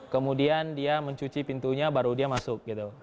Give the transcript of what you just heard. kemudian dia mencuci pintunya baru dia masuk gitu